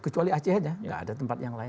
kecuali aceh aja gak ada tempat yang lain